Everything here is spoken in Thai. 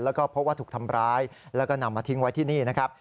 แล้วก็พบว่าถูกทำร้ายแล้วก็นำมาทิ้งไว้ที่นี่นะครับ